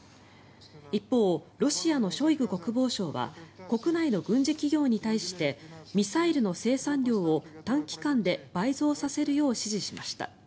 一方、ロシアのショイグ国防相は国内の軍事企業に対してミサイルの生産量を短期間で倍増させるよう指示しました。